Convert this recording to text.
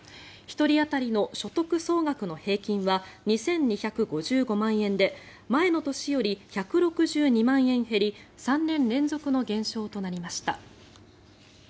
１人当たりの所得総額の平均は２２５５万円で前の年より１６２万円減り３年連続の減少となりました。